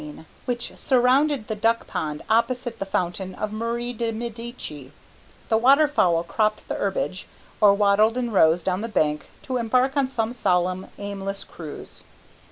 Under the sycamores which surrounded the duck pond opposite the fountain of Marie de Medici, the water fowl cropped the herbage, or waddled in rows down the bank to embark on some solemn aimless cruise.